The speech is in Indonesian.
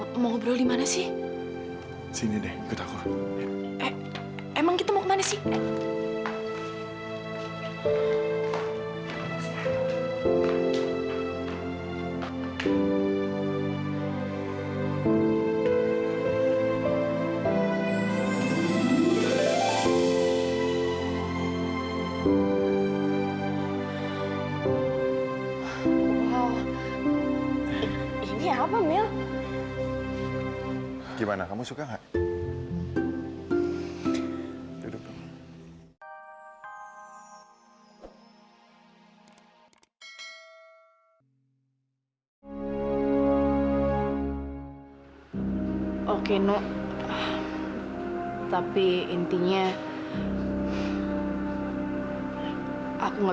sampai jumpa di video selanjutnya